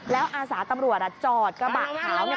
แล้วอาสาตำรวจจอดกระบะขาวเนี่ย